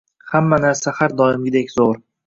Hamma narsa har doimgidek zo'r